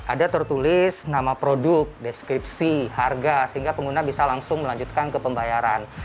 ada tertulis nama produk deskripsi harga sehingga pengguna bisa langsung melanjutkan ke pembayaran